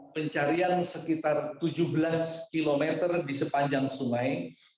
pencarian sekitar tujuh belas km di sepanjang sungai